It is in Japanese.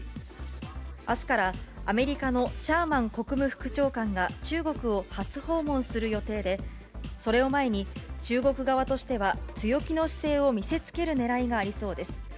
あすからアメリカのシャーマン国務副長官が中国を初訪問する予定で、それを前に、中国側としては強気の姿勢を見せつけるねらいがありそうです。